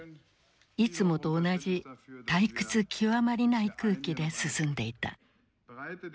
いつもと同じ退屈極まりない空気で進んでいた。